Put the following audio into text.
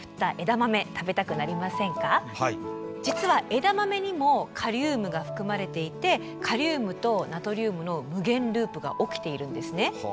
枝豆にもカリウムが含まれていてカリウムとナトリウムの無限ループが起きているんですね。